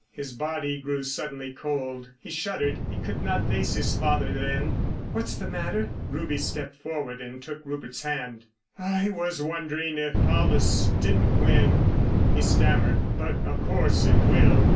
His body grew suddenly cold, he shuddered. He could not face his father then. "What's the matter?" Ruby stepped forward and took Rupert's hand. "I was wondering, if Paulus didn't win?" he stammered. "But, of course it will.